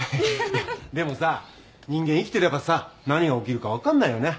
でもさ人間生きてればさ何が起きるか分かんないよね。